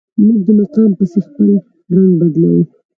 موږ د مقام پسې خپل رنګ بدلوو.